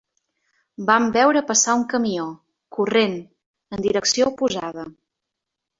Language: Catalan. Vam veure passar un camió, corrent, en direcció oposada